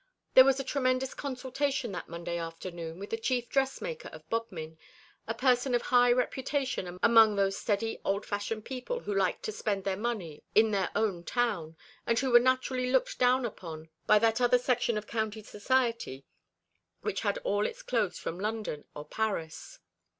There was a tremendous consultation that Monday afternoon with the chief dressmaker of Bodmin, a person of high reputation among those steady old fashioned people who liked to spend their money in their own town, and who were naturally looked down upon by that other section of county society which had all its clothes from London or Paris.